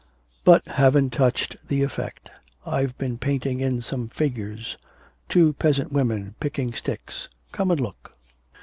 'But haven't touched the effect. I've been painting in some figures two peasant women picking sticks, come and look.'